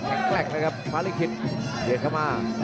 แกล็กแกล็กนะครับมาเรียกคิดเหลียดเข้ามา